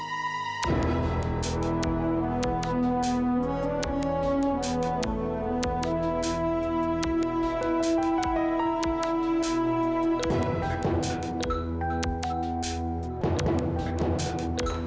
ya makasih pak